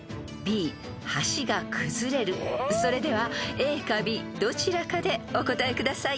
［それではＡかＢどちらかでお答えください］